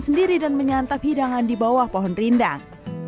sendiri dan menyantap hidangan di bawah pohon rindang